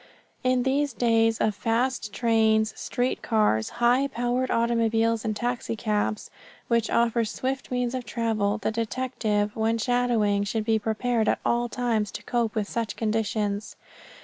In these days of fast trains, street cars, high powered automobiles and taxicabs, which offer swift means of travel, the detective when shadowing should be prepared at all times to cope with such conditions.